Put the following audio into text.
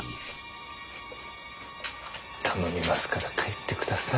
頼みますから帰ってください。